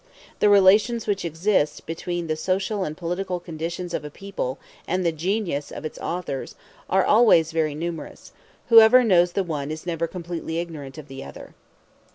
The relations which exist between the social and political condition of a people and the genius of its authors are always very numerous: whoever knows the one is never completely ignorant of the other.